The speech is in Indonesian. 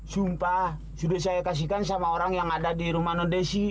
sumpah sudah saya kasihkan sama orang yang ada di rumah non desi